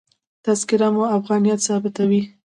تذکره مو افغانیت ثابتوي.